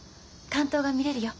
竿燈が見れるよ。